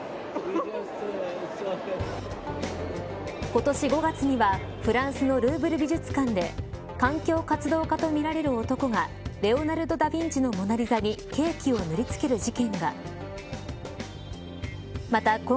今年５月には、フランスのルーブル美術館で環境活動家とみられる男がレオナルド・ダ・ヴィンチのモナリザにケーキを塗りつける事件が。